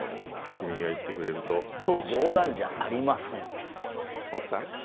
君が行ってくれると早期解決冗談じゃありません奥さん